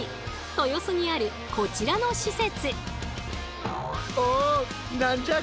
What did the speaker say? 豊洲にあるこちらの施設！